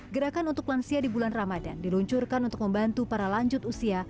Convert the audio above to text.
gerakan untuk lansia di bulan ramadan diluncurkan untuk membantu para lanjut usia